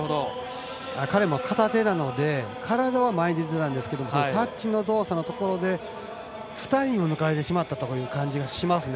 彼も片手なので体は前なんですけどタッチの動作のところで２人に抜かれてしまった感じがしますね。